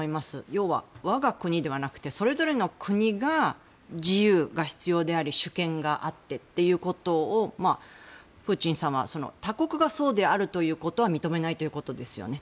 要は我が国ではなくてそれぞれの国が自由が必要であり主権があってということをプーチンさんは他国がそうであるということは認めないということですよね。